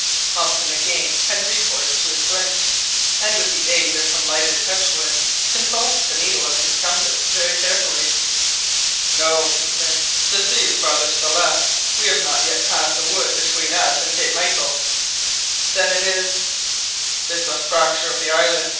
Hobson again had recourse to his flint, and with the aid of some lighted touchwood consulted the needle of his compass very carefully. "No," he said, "the sea is farther to the left, we have not yet passed the wood between us and Cape Michael." "Then it is"—— "It is a fracture of the island!"